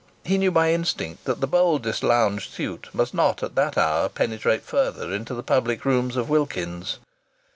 He knew by instinct that the boldest lounge suit must not at that hour penetrate further into the public rooms of Wilkins's.